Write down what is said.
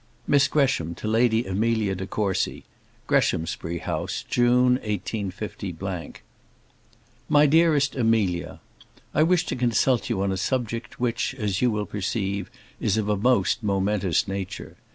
Miss Gresham to Lady Amelia de Courcy Greshamsbury House, June, 185 . MY DEAREST AMELIA, I wish to consult you on a subject which, as you will perceive, is of a most momentous nature.